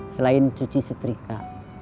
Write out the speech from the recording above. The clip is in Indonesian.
selain cuci setrika